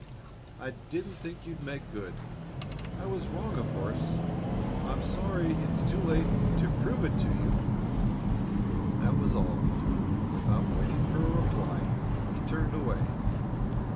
I I didn't think you'd make good. I was wrong, of course. I I'm sorry it's too late to prove it to you." That was all. Without waiting for a reply, he turned away.